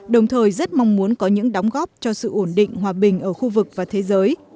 đồng thời rất mong muốn có những đóng góp cho sự ổn định hòa bình ở khu vực và thế giới